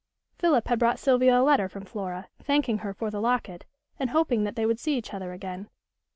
Philip had brought Sylvia a letter from Flora, thanking her for the locket, and hoping that they would see each other again.